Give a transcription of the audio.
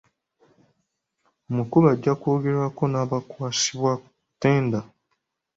Omukulu ajja kwogerako n'abaakwasibwa ttenda.